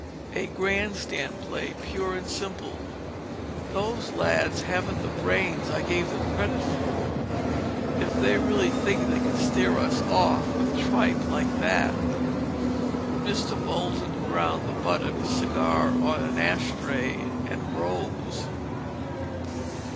"A grandstand play, pure and simple. Those lads haven't the brains I gave them credit for, if they really think they can steer us off with tripe like that!" Mr. Bolton ground the butt of his cigar on an ashtray, and rose.